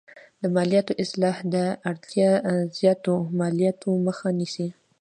د مالیاتو اصلاح د اړتیا زیاتو مالیاتو مخه نیسي.